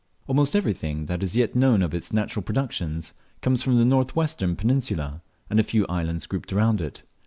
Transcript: Almost everything that is yet known of its natural productions comes from the north western peninsula, and a few islands grouped around it.